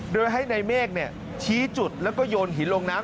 โดยให้ในเมฆชี้จุดแล้วก็โยนหินลงน้ำ